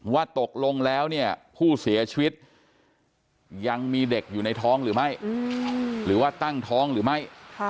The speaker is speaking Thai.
ว่าตกลงแล้วเนี่ยผู้เสียชีวิตยังมีเด็กอยู่ในท้องหรือไม่หรือว่าตั้งท้องหรือไม่